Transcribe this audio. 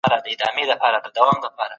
که ته نېک یې نو شکر به دي په خیر سره قبول سي.